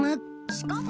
しかも！